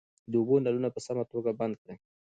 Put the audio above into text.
د اوبو نلونه په سمه توګه بند کړئ.